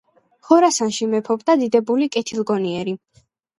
ხორასანში მეფობდა დიდებული, კეთილგონიერი